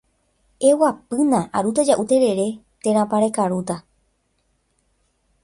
eguapýna arúta ja'u terere térãpa rekarúta